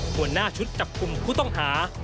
หัวหน้าชุดจับกลุ่มผู้ต้องหา